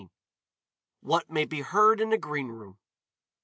WHAT MAY BE HEARD IN A GREENROOM.